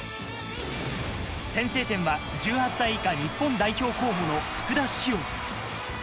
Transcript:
先制点は１８歳以下日本代表候補の福田師王。